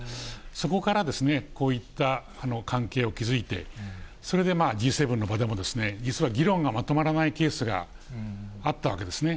そこからこういった関係を築いて、それでＧ７の場でも、実は議論がまとまらないケースがあったわけですね。